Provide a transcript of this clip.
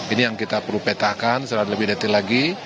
ini yang kita perlu petakan secara lebih detail lagi